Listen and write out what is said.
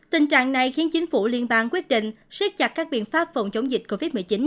tình trạng này khiến chính phủ liên bang quyết định siết chặt các biện pháp phòng chống dịch covid một mươi chín